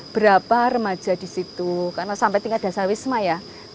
berapa remaja di situ karena sampai tingkat dasar wisma ya